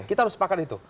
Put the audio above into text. kita harus sepakat itu